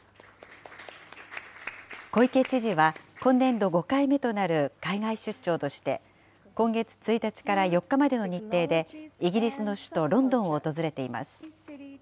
小池知事は今年度５回目となる海外出張として、今月１日から４日までの日程で、イギリスの首都ロンドンを訪れています。